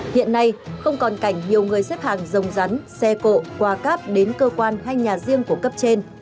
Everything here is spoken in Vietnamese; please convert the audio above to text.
hiện nay không còn cảnh nhiều người xếp hàng rồng rắn xe cộ qua cáp đến cơ quan hay nhà riêng của cấp trên